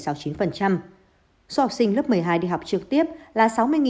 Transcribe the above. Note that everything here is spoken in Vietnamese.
số học sinh lớp một mươi hai đi học trực tiếp là sáu mươi năm trăm sáu mươi sáu